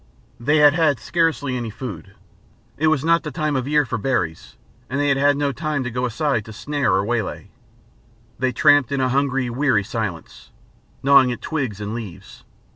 They had had scarcely any food; it was not the time of year for berries, and they had no time to go aside to snare or waylay. They tramped in a hungry weary silence, gnawing at twigs and leaves.